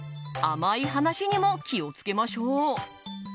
甘い話にも気を付けましょう。